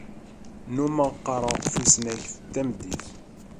Nnummeɣ qqareɣ tusnakt tameddit.